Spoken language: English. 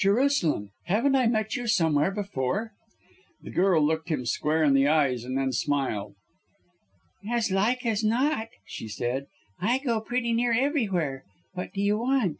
Jerusalem! Haven't I met you somewhere before?" The girl looked him square in the eyes and then smiled. "As like as not," she said. "I go pretty near everywhere! What do you want?"